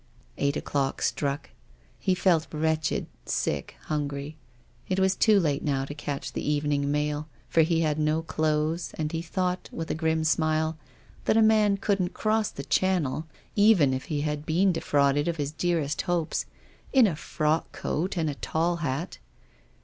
Eight o'clock struck. He felt wretched, sick, hungry. It was too late now to catch the evening mail, for he had no clothes, and he thought, with a grim smile, that a man couldn't cross the Channel, even if he had been defrauded of all his dearest hopes, in a frock coat and tall hat.